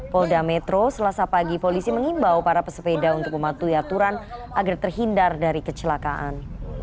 polda metro selasa pagi polisi mengimbau para pesepeda untuk mematuhi aturan agar terhindar dari kecelakaan